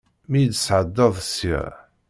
Mi yi-d-tesɛeddaḍ sya.